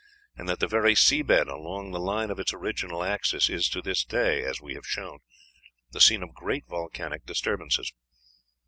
and that the very sea bed along the line of its original axis is, to this day, as we have shown, the scene of great volcanic disturbances.